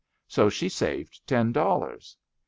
So she saved ten dollars.